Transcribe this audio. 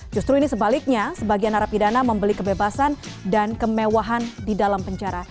justru ini sebaliknya sebagian narapidana membeli kebebasan dan kemewahan di dalam penjara